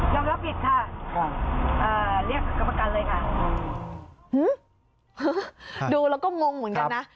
ยอมรับผิดค่ะค่ะเอ่อเรียกกรรมการเลยค่ะดูแล้วก็งงเหมือนกันนะ